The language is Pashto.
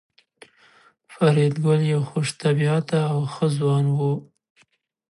فریدګل یو خوش طبیعته او ښه ځوان و